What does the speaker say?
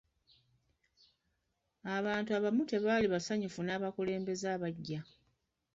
Abantu abamu tebaali basanyufu n'abakulembeze abaggya.